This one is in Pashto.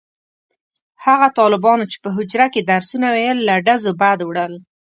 هغه طالبانو چې په حجره کې درسونه ویل له ډزو بد وړل.